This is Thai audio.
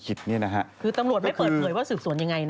คือตำรวจไม่เปิดเผยว่าสืบสวนยังไงนะ